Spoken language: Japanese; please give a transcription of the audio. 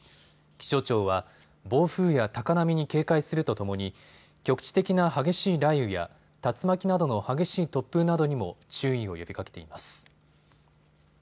気象庁は暴風や高波に警戒するとともに局地的な激しい雷雨や竜巻などの激しい突風などにも注意を呼びかけています。